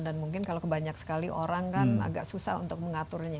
dan mungkin kalau kebanyak sekali orang kan agak susah untuk mengaturnya